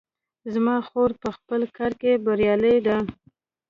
زما خور په خپل کار کې بریالۍ ده